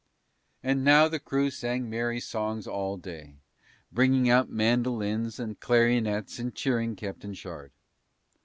And now the crew sang merry songs all day bringing out mandolins and clarionets and cheering Captain Shard.